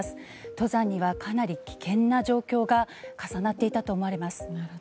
登山にはかなり危険な状況が重なっていたと思われます。